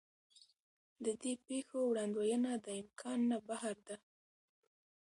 د دې پېښو وړاندوینه د امکان نه بهر ده.